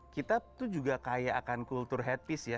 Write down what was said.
kita tuh juga kaya akan kultur headpiece ya